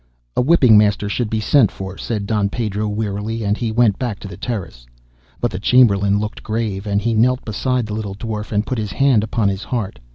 'A whipping master should be sent for,' said Don Pedro wearily, and he went back to the terrace. But the Chamberlain looked grave, and he knelt beside the little dwarf, and put his hand upon his heart.